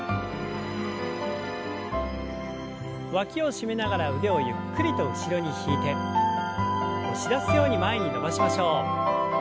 わきを締めながら腕をゆっくりと後ろに引いて押し出すように前に伸ばしましょう。